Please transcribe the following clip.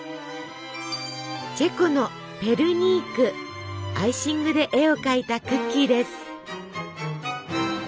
チェコのアイシングで絵を描いたクッキーです。